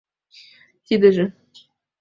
Тидыже...